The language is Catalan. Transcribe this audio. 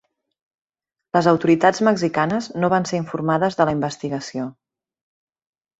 Les autoritats mexicanes no van ser informades de la investigació.